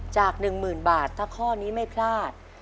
จาก๑๐๐๐บาทถ้าข้อนี้ไม่พลาด